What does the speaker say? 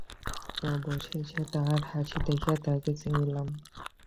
অবশেষে তাহার হাসি দেখিয়া তাহাকে চিনিলাম।